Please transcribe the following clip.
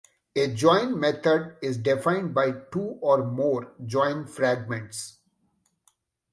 A Join method is defined by two or more Join fragments.